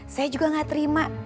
saya juga gak terima